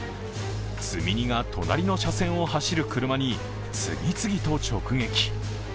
積み荷が隣の車線を走る車に次々と直撃。